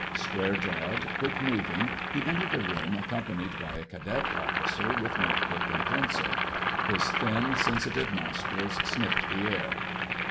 Square jawed, quick moving, he entered the room accompanied by a cadet officer with notebook and pencil. His thin, sensitive nostrils sniffed the air.